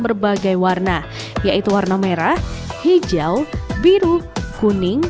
berbagai warna yaitu warna merah hijau biru kuning